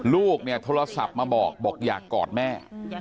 ลูกโทรศัพท์มาบอกอยากกอดแม่